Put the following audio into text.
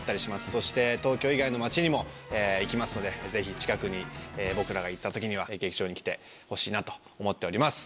そして東京以外の町にも行きますのでぜひ近くに僕らが行った時には劇場に来てほしいなと思っております。